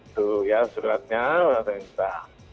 itu ya suratnya sudah saya minta